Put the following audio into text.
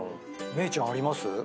芽郁ちゃんあります？